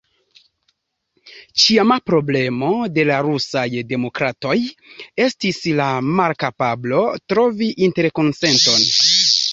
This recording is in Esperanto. Ĉiama problemo de la rusaj demokratoj estis la malkapablo trovi interkonsenton.